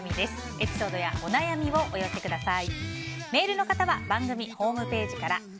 エピソードやお悩みをお寄せください。